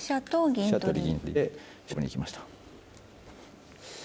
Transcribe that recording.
飛車取り銀取りで勝負に行きました。